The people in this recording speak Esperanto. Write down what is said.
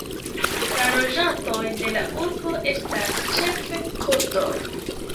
La loĝantoj de la urbo estas ĉefe kurdoj.